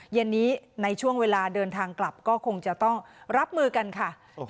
เย็นนี้ในช่วงเวลาเดินทางกลับก็คงจะต้องรับมือกันค่ะ